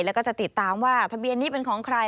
แล้วก็จะติดตามว่าทะเบียนนี้เป็นของใคร